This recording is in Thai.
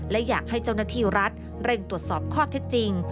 และอยากให้เจ้าหน้าที่รัฐเร่งตรวจสอบข้อเท็จจริง